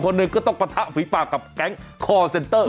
คุณไม่เคยไปเผาศพลงศพเลย